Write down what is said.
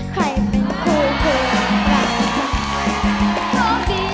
ใครเป็นคู่เพื่อนกัน